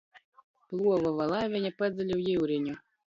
Pluovova laiveņa pa dziļu jiureņu.